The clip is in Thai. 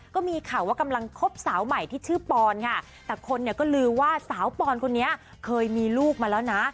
ก็มีข่าวว่ากำลังคบสาวใหม่ที่ชื่อปอนค่ะแต่คนเนี่ยก็ลือว่าสาวปอนคนนี้เคยมีลูกมาแล้วนะ